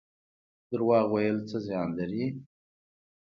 دروغ ویل څه زیان لري؟